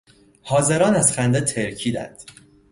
حاضران از خنده ترکیدند.